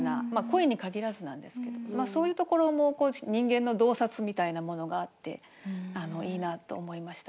恋に限らずなんですけどそういうところも人間の洞察みたいなものがあっていいなと思いましたね。